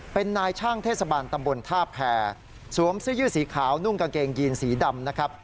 เป็นนายช่างเทศบาลตำบลท่าแพรสวมเสื้อยืดสีขาวนุ่งกางเกงยีนสีดำนะครับ